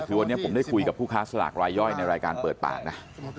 คือวันนี้ผมได้คุยกับผู้ค้าสลากรายย่อยในรายการเปิดปากนะ